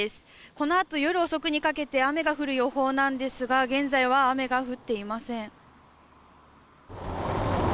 このあと夜遅くにかけて雨が降る予報なんですが現在は雨が降っていません。